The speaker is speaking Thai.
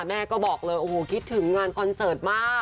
แม่ก็บอกเลยโอ้โหคิดถึงงานคอนเสิร์ตมาก